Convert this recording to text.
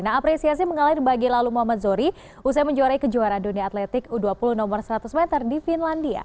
nah apresiasi mengalir bagi lalu muhammad zohri usai menjuarai kejuaraan dunia atletik u dua puluh nomor seratus meter di finlandia